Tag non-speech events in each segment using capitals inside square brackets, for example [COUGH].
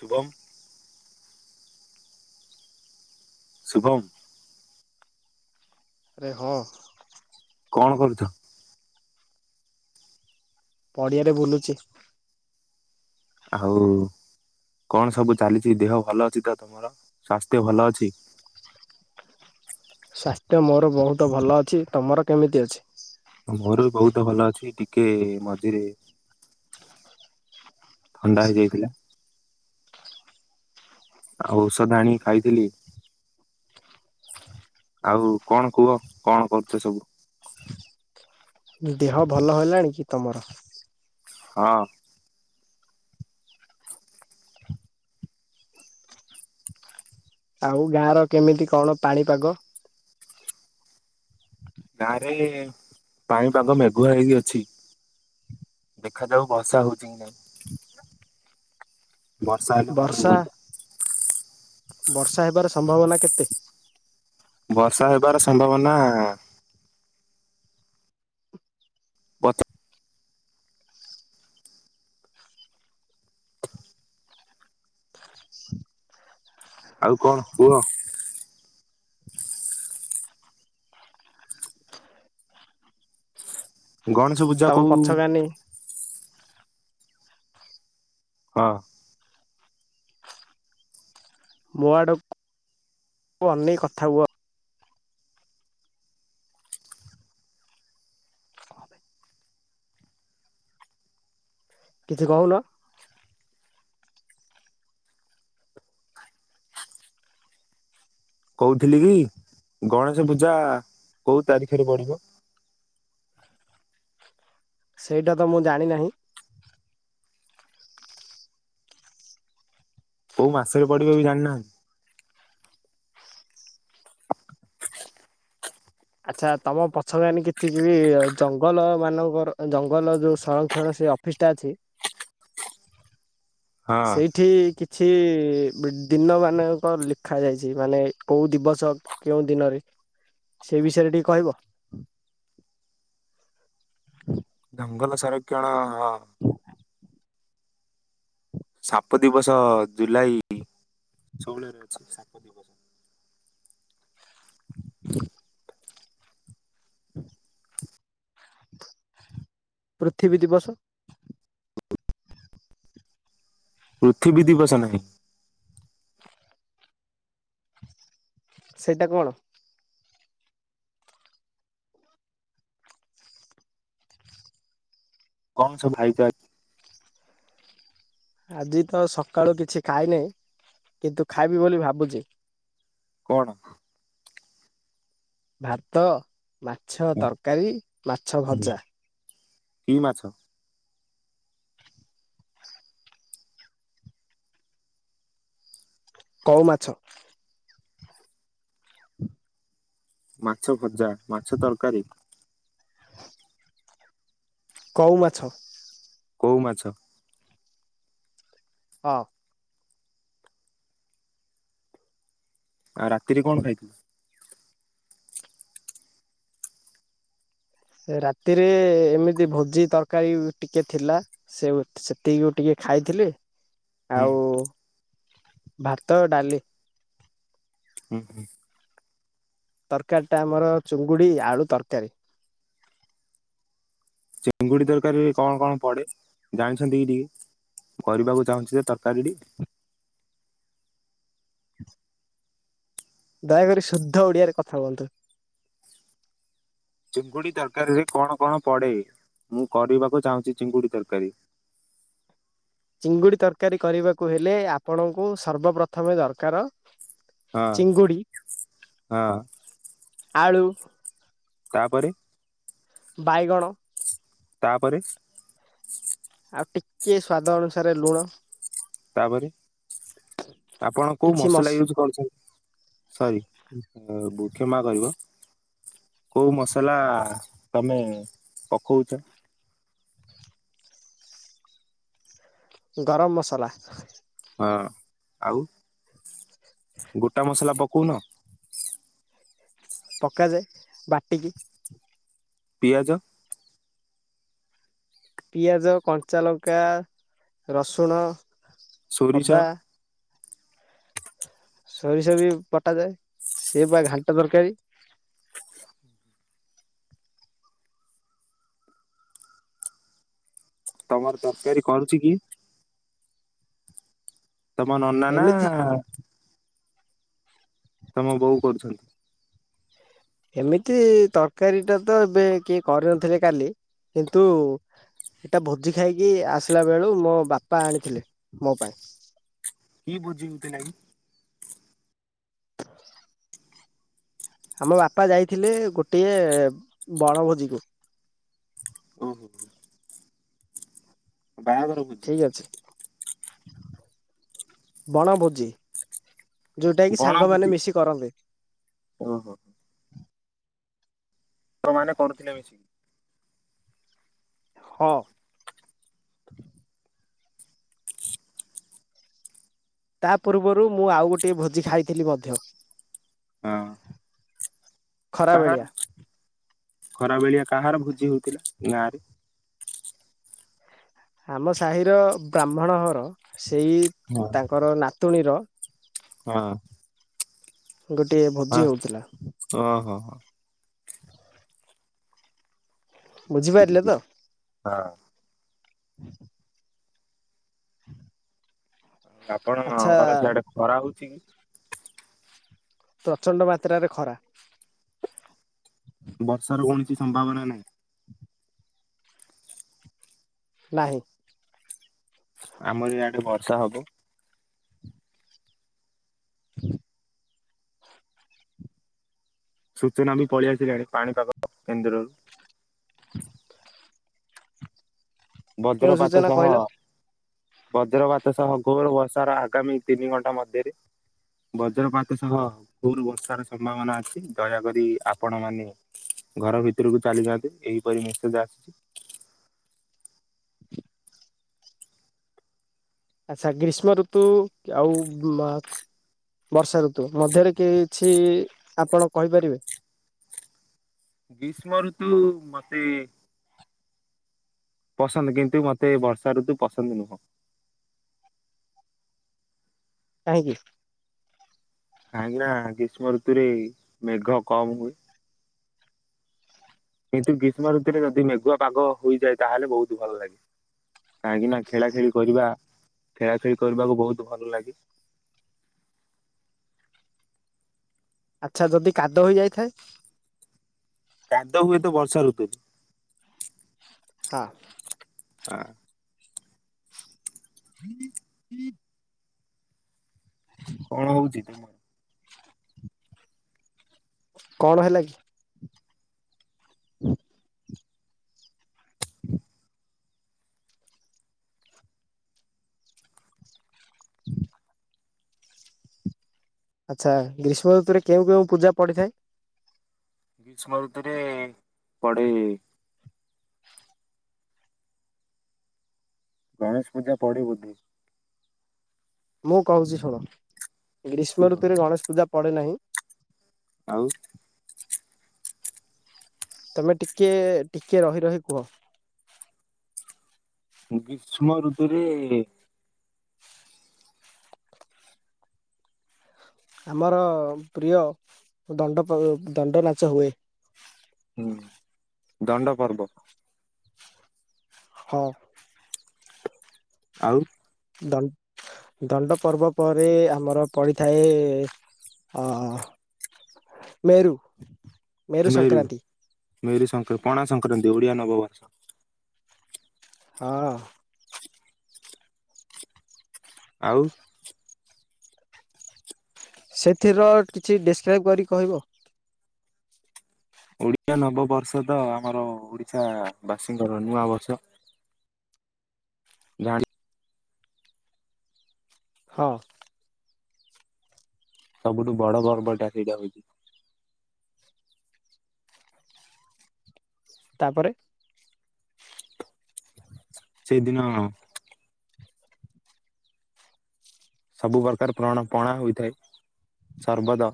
ଶୁଭମ୍ ଶୁଭମ୍। ରେ ହଁ। କଣ କରୁଛ? ପଡିଆରେ ବୁଲୁଛି। ଆଉ କଣ ସବୁ ଚାଲିଛି ଦେହ ଭଲ ଅଛି ତ ତମର ସ୍ଵାସ୍ଥ୍ୟ ଭଲ ଅଛି। ସ୍ୱାସ୍ଥ୍ୟ ମୋର ବହୁତ ଭଲ ଅଛି ତୁମର କେମିତି ଅଛି? ମୋର ବି ବହୁତ ଭଲ ଅଛି ଟିକେ ମଝିରେ ଥଣ୍ଡା ହେଇଯାଇଥିଲା। ଆଉ ଔଷଧ ଆଣିକି ଖାଇଥିଲି। ଆଉ କଣ କୁହ କଣ କରୁଛ ସବୁ? ଦେହଭଲ ହେଲାଣି କି ତମର? ହଁ। ଆଉ ଗାଁ ର କେମିତି କଣ ପାଣିପାଗ? ହ [UNINTELLIGIBLE] ଗାଁ ରେ ପାଣିପାଗ ମେଘୁଆ ହେଇକି ଅଛି। ଦେଖାଯାଉ ବର୍ଷାହଉଛି କି ନାଇଁ? ବର୍ଷା ହେଲେ ଭଲ ବର୍ଷା ହୁଅନ୍ତା। ବର୍ଷା ହେବାର ସମ୍ଭାବନା କେତେ? ବର୍ଷା ହେବାର ସମ୍ଭାବନା ପଚ ଆଉ କଣ କୁହ? ଗଣେଶ ପୂଜା ତମ କୋଉ? ପଛକାନି ହଁ। ମୋ ଆଡ଼କୁ ଅନେଇକି କଥା ହୁଅ। କଣ ବେ। କିଛି କହୁନ। କହୁଥିଲି କି ଗଣେଶ ପୂଜା କୋଉ ତାରିଖରେ ପଡିବ? ସେଇଟା ତ ମୁଁ ଜାଣି ନାହିଁ। କୋଉ ମାସରେ ପଡିବ ବି ଜାଣିନାହାନ୍ତି। ଆଚ୍ଛା ତମ ପଛ ଗନି ଆଣି କେତିକିବି ଜଙ୍ଗଲ ମାନଙ୍କର ଜଙ୍ଗଲ ଯୋଉ ସଂରକ୍ଷଣ ସେ ଅପ ଅପିସ୍ଟା ଅଛି ହଁ ସେଇଠି କିଛି କିଛି ଦିନମାନାନଙ୍କ ଲେଖାାଯାଇଛି ମାନେ କେଉଁ ଦିବସ? କେଉଁ ଦିନରେ। ସେ ବିଷୟରେ ଟିକେ କହିବ। ହ [UNINTELLIGIBLE] ଜଙ୍ଗଲ ସଂରକ୍ଷଣ ହଁ। ସାପ ଦିବସ ଜୁଲାଇ ଷୋହଳରେ ଅଛି ସାପ ଦିବସ। ହ [INAUDIBLE] ହୁଁ [INAUDIBLE] ପୃଥିବୀ ଦିବସ୍। ପୃଥିବୀ ଦିବସ୍ ନାହିଁ? ସେଇଟା କଣ। କଣ ସବୁ ଭାଇଯାକ୍। ଆଜି ତ ସକାଳୁ କିଛି ଖାଇନାହିଁ କିନ୍ତୁ ଖାଇବି ବୋଲି ଭାବୁଛି। କଣ। ଭାତ ମାଛ ତରକାରି ମାଛ ଭଜା। କି ମାଛ? କଉ ମାଛ। ମାଛ ଭଜା ମାଛ ତରକାରି କୋଉ ମାଛ। କୋଉ ମାଛ। ହଁ। ଆଉ ରାତିରେ କଣ ଖାଇଥିଲ? ରାତିରେ ଏମିତି ଭୋଜି ତରକାରି ଟିକେ ଥିଲା। ସେଇ ସେତିକି ଟିକେ ଖାଇଥିଲି। ହୁଁ ଆଉ ଭାତ, ଡାଲି। ହୁଁ ତରକାରି ଟା ଆମର ଚୁଙ୍ଗୁଡି ଆଳୁ ତରକାରି। ଚିଙ୍ଗୁଡି ତରକାରିରେ କଣ କଣ ପଡେ ଜାଣିଛନ୍ତି କି ଟିକେ? କରିବାକୁ ଚାହୁଁଛି ଯେ ତରକାରି ଟି। [INAUDIBLE] ଦୟାକରି ଶୁଦ୍ଧ ଓଡି଼ଆରେ କଥା ହୁଅନ୍ତୁ। ଚିଙ୍ଗୁଡି ତରକାରି ରେ କଣ କଣ ପଡେ ମୁଁ କରିବାକୁ ଚାହୁଁଛି ଚିଙ୍ଗୁଡି ତରକାରି। ଚିଙ୍ଗୁଡି ତରକାରି କରିବାକୁ ହେଲେ ଆପଣଙ୍କୁ ସର୍ବପ୍ରଥମେ ଦରକାର ହଁ ଚିଙ୍ଗୁଡି, ହଁ ଆଳୁ ତାପରେ ବାଇଗଣ ତାପରେ ଆଉ ଟିକେ ସ୍ଵାଦ ଅନୁସାରେ ଲୁଣ। ତାପରେ ଆପଣ କୋଉ କିଛି ମସ ମସଲା ୟୁଜ୍ କରୁଛନ୍ତି? ସରି କ୍ଷମା କରିବ। କୋଉ ମସଲା ତମେ ପକଉଛ? ଗରମ ମସଲା। ହଁ ଆଉ। ଗୋଟା ମସଲା ପକଉନ? ପକାଯାଏ ବାଟିକି। ପିଆଜ ପିଆଜ କଞ୍ଚା ଲଙ୍କା ରସୁଣ ସୋରିଷ ଅଦା ସୋରିଷ ବି ବଟାଯାଏ ସିଏ ବା ଘାଣ୍ଟ ତରକାରି। ତମର ତରକାରି କରୁଛି କିଏ? ତମ ନନା ଏମିତି ନାଁ? ତମ ବୋଉ କରୁଛନ୍ତି? ଏମିତି ତରକାରି ଟା ତ ଏବେ କିଏ କରିନଥିଲେ କାଲି। କିନ୍ତୁ ଏଇଟା ଭୋଜି ଖାଇକି ଆସିଲା ବେଳୁ ମୋ ବାପା ଆଣିଥିଲେ ମୋ ପାଇଁ। କି ଭୋଜି ହେଉଥିଲା କି? [INAUDIBLE] ଆମ ବାପା ଯାଇଥିଲେ ଗୋଟିଏ ବଣଭୋଜି କୁ। ଓହୋ ହୋ ବାହାଘର ଭୋଜି ଠିକ ଅଛି। ବଣ ଭୋଜି। ଯୋଉଟା କି ବଣ ଭୋଜି ସାଙ୍ଗମାନେ ମିଶି କରନ୍ତି। ଓହୋ ହୋ। ସାଙ୍ଗ ମାନେ କରୁଥିଲେ ମିଶିକି ହଁ। ତା ପୂର୍ବରୁ ମୁଁ ଆଉ ଗୋଟେ ଭୋଜି ଖାଇଥିଲି ମଧ୍ୟ ହଁ। ଖରା ବେଳିଆ କାହାର ଖରାବେଳିଆ କାହାର ଭୋଜି ହଉଥିଲା ଗାଁରେ ଆମ ସାହିର ବ୍ରାହ୍ମଣ ଘର ସେଇ ହଁ ତାଙ୍କର ନାତୁଣୀର ହଁ। ଗୋଟିଏ ହଁ ଭୋଜି ହଉଥିଲା। ଓହୋ ହୋ। ବୁଝିଲି ବୁଝିପାରିଲେ ବୁଝିଲି ତ ହଁ। [UNINTELLIGIBLE] ଆଉ ଆପଣଙ୍କ ଆଚ୍ଛା ଘର ସେଆଡ଼େ ଖରା ହଉଛି କି ପ୍ରଚଣ୍ଡ ମାତ୍ରାରେ ଖରା ବର୍ଷା ର କୌଣସି ସମ୍ଭାବନା ନାହିଁ। ନାହିଁ। ଆମର ଇଆଡେ ବର୍ଷା ହବ [UNINTELLIGIBLE] ସୂଚନା ବି ପଳେଇ ଆସିଲାଣି ପାଣିପାଗ କେନ୍ଦ୍ରରୁ [UNINTELLIGIBLE] କେଉଁ ବଜ୍ରପାତ ସୂଚନା ସହ କହିଲ ବଜ୍ରପାତ ସହ ଘୋର ବର୍ଷାର ଆଗାମୀ ତିନି ଘଣ୍ଟା ମଧ୍ୟରେ ବଜ୍ରପାତ ସହ ଘୋର ବର୍ଷାର ସମ୍ଭାବନା ଅଛି ଦୟାକରି ଆପଣ ମାନେ ଘର ଭିତରକୁ ଚାଲି ଯାଆନ୍ତୁ ଏହିପରି ମେସ୍‌ଜ ଆସିଛି। ଆଚ୍ଛା ଗ୍ରୀଷ୍ମ ଋତୁ ଆଉ ବର୍ଷା ଋତୁ ମଧ୍ୟରେ କି କିଛି ଆପଣ କହିପାରିବେ। ଗ୍ରୀଷ୍ମଋତୁ ମତେ ପସନ୍ଦ କିନ୍ତୁ ମତେ ବର୍ଷା ଋତୁ ପସନ୍ଦ ନୁହଁ କାହିଁକି। କାହିଁକି ନା ଗ୍ରୀଷ୍ମ ଋତୁରେ ମେଘ କମ୍ ହୁଏ। କିନ୍ତୁ ଗ୍ରୀଷ୍ମ ଋତୁରେ ଯଦି ମେଗୁଆ ପାଗ ହୋଇଯାଏ ତାହେଲେ ବହୁତ ଭଲ ଲାଗେ କାହିଁକି ନା ଖେଳା ଖେଳି କରିବା ଖେଳା ଖେଳି କରିବାକୁ ବହୁତ ଭଲ ଲାଗେ। ଆଚ୍ଛା ଯଦି କାଦୁଅ ହେଇଯାଇଥାଏ। କାଦୁଅ ହୁଏତ ବର୍ଷା ଋତୁରେ ହଁ। ଆହା [UNINTELLIGIBLE] କଣ ହଉଛି ତୁମର। କଣ ହେଲା କି। [UNINTELLIGIBLE] [UNINTELLIGIBLE] [UNINTELLIGIBLE] ଆଚ୍ଛା ଗ୍ରୀଷ୍ମ ଋତୁରେ କେଉଁ କେଉଁ ପୂଜା ପଡିଥାଏ। ଗ୍ରୀଷ୍ମ ଋତୁରେ ପଡେ ଏଇ ଗଣେଶ ପୂଜା ପଡେ ବୋଧେ ମୁଁ କହୁଛି ଶୁଣ ଗ୍ରୀଷ୍ମ ଋତୁରେ ଗଣେଶ ପୂଜା ପଡେ ନାହିଁ। ଆଉ। ତମେ ଟିକେ ଟିକେ ରହି ରହି କୁହ ଗ୍ରୀଷ୍ମ ଋତୁରେ ଏ ଆମର ପ୍ରିୟ ଦଣ୍ଡ ପର୍ବ ଦଣ୍ଡ ନାଚ ହୁଏ। ଦଣ୍ଡ ପର୍ବ। ହଁ। ଆଉ। ଦାଉ। ଦଣ୍ଡ ପର୍ବ ପରେ ଆମର ପଡିଥାଏ ଅ ମେରୁ। ମେରୁ ମେରୁ ସଙ୍କ ପଣାସକ୍ରାନ୍ତି ଓଡିଆ ନବବର୍ଷ। ହଁ। ଆଉ। ସେଥିର କିଛି ଡିସକ୍ରାଇବ୍ କରିକି କହିବ। ଓଡିଆ ନବବର୍ଷ ତ ଆମର ଓଡିଶା ବାସୀଙ୍କର ନୂଆ ବର୍ଷ। ଗାଡ଼ି। ହଁଉ। ସବୁଠୁ ବଡ ଗର୍ବଟା ସେଇଟା ହଉଛି। [INAUDIBLE] ତାପରେ। ସେଦିନ। ସବୁ ପ୍ରକାର ପ୍ରଣ ପଣା ହୋଇଥାଏ ସର୍ବଦ।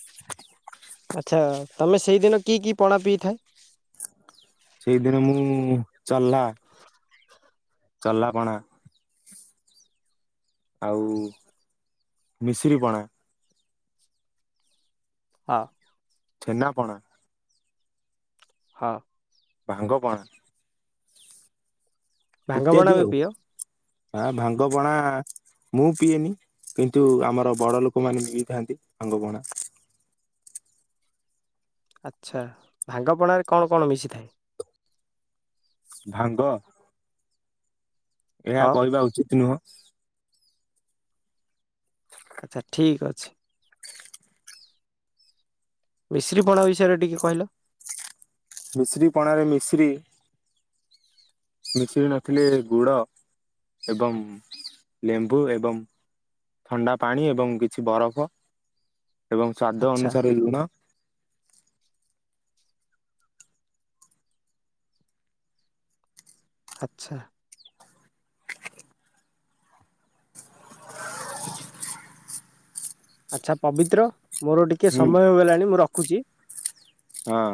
[INAUDIBLE] ଆଚ୍ଛା ତମେ ସେଇଦିନ କି କି ପଣା ପିଇଥାଏ। ସେଇଦିନ ମୁଁ ଚହଲ୍ଲା ଚଲ୍ହା ପଣା। ଆଉ ମିଶିରିି ପଣା। ଆ। ଛେନାପଣା। ହଁଉ। ଭାଙ୍ଗପଣା। ଭାଙ୍ଗପଣା ଇତ୍ୟାଦି ବି ଆଉ ପିଅ ଆଁ ଭାଙ୍ଗ ପଣା ମୁଁ ପିଏନି। କିନ୍ତୁ ଆମର ବଡ ଲୋକମାନେ ପିଇଥାନ୍ତି ଭାଙ୍ଗ ପଣା। ଆଚ୍ଛା ଭାଙ୍ଗପଣାରେ କଣ କଣ ମିଶିଥାଏ। ଭାଙ୍ଗ। ଏହା ହଁ କହିବା ଉଚିତ୍ ନୁହଁ। ଆଚ୍ଛା ଠିକ୍ ଅଛି। ମିଶ୍ରୀ ପଣା ବିଷୟରେ ଟିକେ କହିଲ? ମିଶ୍ରୀ ପଣାରେ ମିଶ୍ରୀ [UNINTELLIGIBLE] ମିଶ୍ରୀ ନଥିଲେି ଗୁଡ ଏବଂ ଲେମ୍ବୁ ଏବଂ ଥଣ୍ଡା ପାଣି ଏବଂ କିଛି ବରଫ ଏବଂ ସ୍ବାଦ ଆଚ୍ଛା ଅନୁସାରେ ଲୁଣ। ଆଚ୍ଛା। ଆଚ୍ଛା ପବିତ୍ର ମୋର ଟିକେ ହୁଁ ସମୟ ହୋଇଗଲାଣି ମୁଁ ରଖୁଛି। ହଁ।